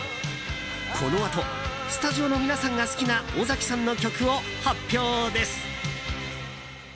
このあとスタジオの皆さんが好きな尾崎さんの曲を発表です。